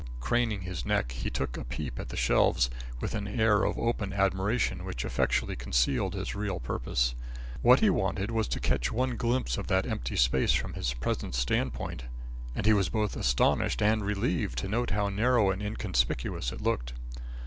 Craning his neck, he took a peep at the shelves, with an air of open admiration which effectually concealed his real purpose. What he wanted was to catch one glimpse of that empty space from his present standpoint, and he was both astonished and relieved to note how narrow and inconspicuous it looked.